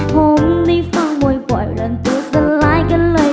ผมได้ฟังบ่อยแรงจุดสลายกันเลย